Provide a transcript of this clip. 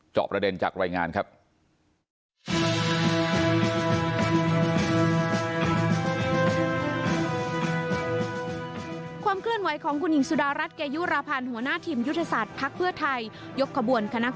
จอบประเด็นจากรายงานครับ